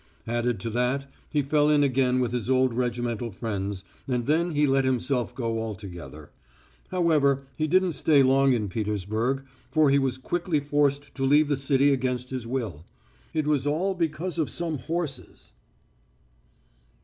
Added to that, he fell in again with his old regimental friends, and then he let himself go altogether. However, he didn't stay long in Petersburg, for he was quickly forced to leave the city against his will. It was all because of some horses.